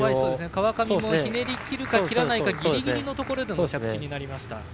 川上もひねりきるかきれないかギリギリのところでの着地になりました。